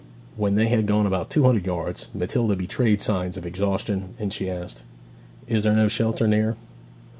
When they had gone about two hundred yards Matilda betrayed signs of exhaustion, and she asked, 'Is there no shelter near?'